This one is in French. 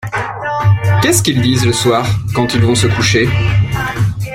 Qu’est-ce qu’ils disent le soir, quand ils vont se coucher ?